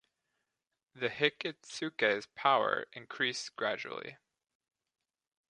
The Hikitsuke's power increased gradually.